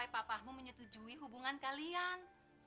bapakmu menyetujui hubungan kalian